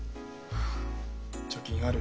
貯金ある？